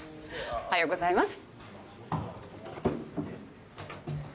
おはようございます。